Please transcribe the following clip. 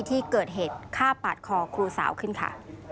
ที่เกิดเหตุฆ่าปาดคอครูสาวขึ้นค่ะ